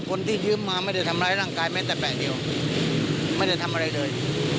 คนที่ยืมมาไม่ได้ทำร้ายร่างกายแม้แต่แปะเดียวไม่ได้ทำอะไรเลย